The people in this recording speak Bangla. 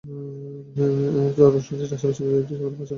অনুষ্ঠানটি রাজশাহী কলেজে ডিসেম্বর মাসে অনুষ্ঠিত হয়েছিলো।